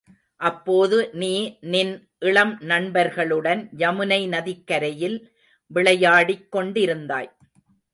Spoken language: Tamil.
அப்போது நீ, நின் இளம் நண்பர்களுடன் யமுனை நதிக்கரையில் விளையாடிக் கொண்டிருந்தாய்.